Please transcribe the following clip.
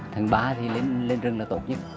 tháng ba thì lên rừng là tốt nhất